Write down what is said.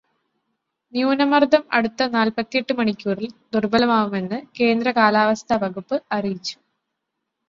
ന്യൂനമര്ദം അടുത്ത നാല്പത്തിയെട്ടു മണിക്കൂറില് ദുര്ബലമാവുമെന്ന് കേന്ദ്ര കാലാവസ്ഥ വകുപ്പ് അറിയിച്ചു.